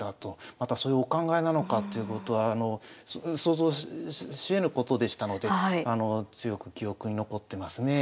またそういうお考えなのかということは想像しえぬことでしたので強く記憶に残ってますねえ。